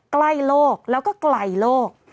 ใกล้โลกแล้วก็ไกลโลก